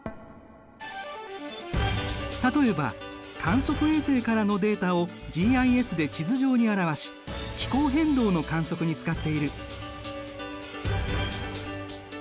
例えば観測衛星からのデータをＧＩＳで地図上に表し気候変動の観測に使っている。